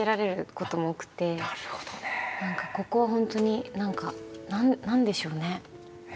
何かここは本当に何か何でしょうね。